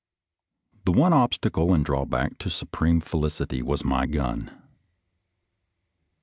The one obstacle and drawback to supreme felicity was my gun.